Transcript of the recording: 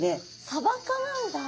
サバ科なんだ。